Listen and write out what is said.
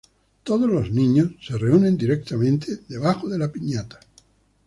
Todos los niños se reúnen directamente debajo de la piñata.